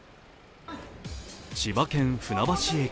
千葉県・船橋駅。